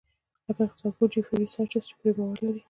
لکه اقتصاد پوه جیفري ساچس چې پرې باور لري.